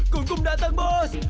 gungkum datang bos